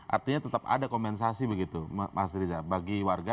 artinya tetap ada kompensasi begitu mas riza bagi warga